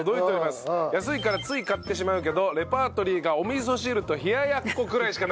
安いからつい買ってしまうけどレパートリーがお味噌汁と冷奴ぐらいしかない。